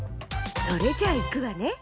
それじゃあいくわね。